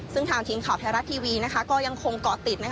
ซึ่งทางทีมข่าวไทยรัฐทีวีก็ยังคงเกาะติด